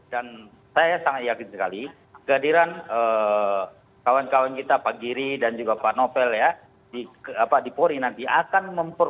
dan saya sangat yakin sekali kehadiran kawan kawan kita pak giri dan juga pak novel ya di polri nanti akan memperkuat ya pak edi